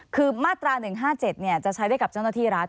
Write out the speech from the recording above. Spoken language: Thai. คือมาตรา๑๕๗จะใช้ได้กับเจ้าหน้าที่รัฐ